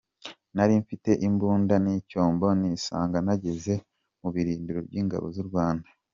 Nari mfite imbunda n’icyombo nisanga nageze mu birindiro by’ingabo z’u Rwanda.